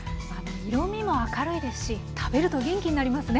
色みも明るいですし食べると元気になりますね。